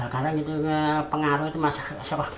karena pengaruh itu masyarakat